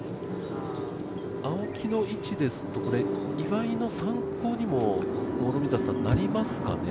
青木の位置ですと、岩井の参考にもなりますかね？